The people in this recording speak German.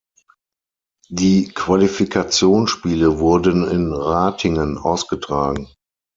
Die Qualifikationsspiele wurden in Ratingen ausgetragen.